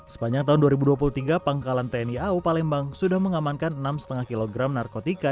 sepanjang tahun dua ribu dua puluh tiga pangkalan tni au palembang sudah mengamankan enam lima kg narkotika